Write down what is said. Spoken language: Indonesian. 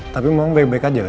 tidak ada yang bisa dikirimkan